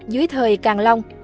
dưới thời càng long